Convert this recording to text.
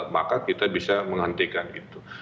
maka kita bisa menghentikan itu